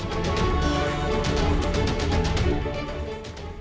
badan sar nasional